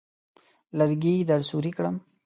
لرګي درسوري کړم.